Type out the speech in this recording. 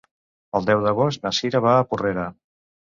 El deu d'agost na Cira va a Porrera.